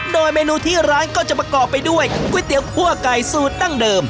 โดยเมนูที่ร้านก็จะประกอบไปด้วยก๋วยเตี๋ยวคั่วไก่สูตรดั้งเดิม